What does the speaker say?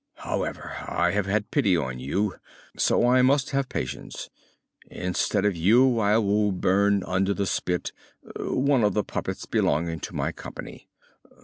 However, I have had pity on you, so I must have patience. Instead of you I will burn under the spit one of the puppets belonging to my company.